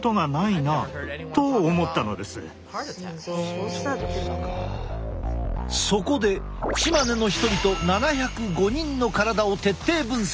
そういえばそこでチマネの人々７０５人の体を徹底分析。